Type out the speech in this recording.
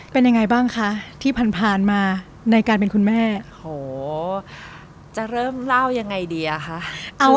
เป็นยังไงบ้างคะที่ผ่านมาในการเป็นคุณแม่โหจะเริ่มเล่ายังไงดีอะคะ